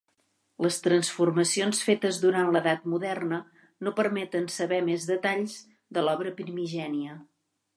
Les transformacions fetes durant l'edat moderna no permeten saber més detalls de l'obra primigènia.